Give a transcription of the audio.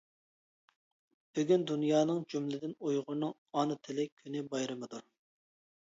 بۈگۈن دۇنيانىڭ جۈملىدىن ئۇيغۇرنىڭ ئانا تىلى كۈنى بايرىمىدۇر!